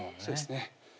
そうですね